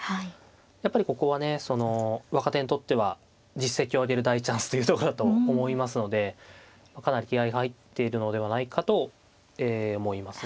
やっぱりここはね若手にとっては実績を上げる大チャンスというとこだと思いますのでかなり気合いが入っているのではないかと思いますね。